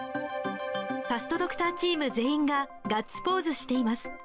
ファストドクターチーム全員がガッツポーズしています。